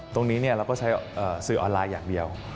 ตรงนี้เราก็ใช้สื่อออนไลน์อย่างเดียว